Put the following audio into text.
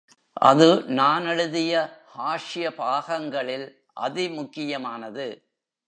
அது நான் எழுதிய ஹாஸ்ய பாகங்களில் அதி முக்கியமானது.